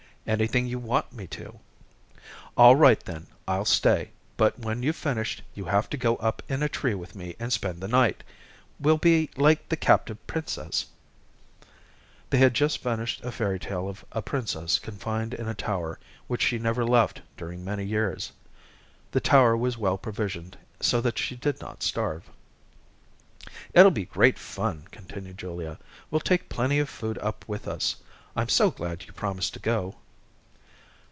"Anything you want me to." "All right then, I'll stay, but when you've finished, you have to go up in a tree with me and spend the night. We'll be like the captive princess." They had just finished a fairy tale of a princess confined in a tower which she never left during many years. The tower was well provisioned so that she did not starve. "It'll be great fun," continued Julia. "We'll take plenty of food up with us. I'm so glad you promised to go."